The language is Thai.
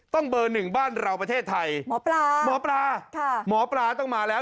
เบอร์หนึ่งบ้านเราประเทศไทยหมอปลาหมอปลาค่ะหมอปลาต้องมาแล้ว